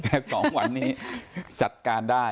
แต่๒วันนี้จัดการได้